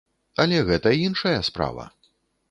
Але гэта іншая справа.